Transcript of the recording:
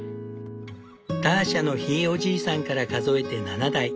ターシャのひいおじいさんから数えて７代。